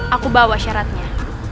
aku bawa syaratnya